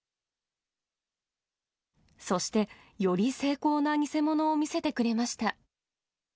そして、より精巧な偽物を見せてくれました。